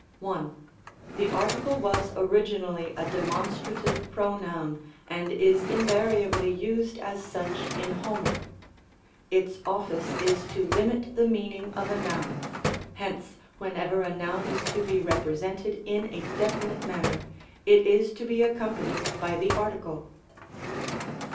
1. The article was originally a demonstrative pro noun, and is invariably used as sucIl in Homer. Its office is to limit the meaning of a noun ; hence, when ever a noun is to be represented in a definite manner, it is to be accompanied by the article.